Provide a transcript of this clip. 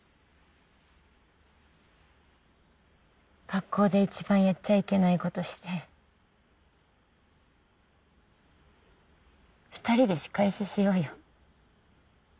学校でいちばんやっちゃいけないことして二人で仕返ししようよ。